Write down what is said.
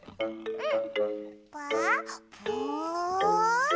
うん？